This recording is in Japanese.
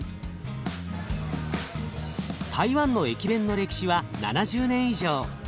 台湾の駅弁の歴史は７０年以上。